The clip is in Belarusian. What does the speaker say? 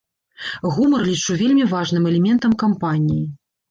Гумар лічу вельмі важным элементам кампаніі.